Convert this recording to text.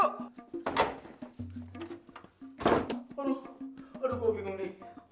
aduh aduh gue bingung nih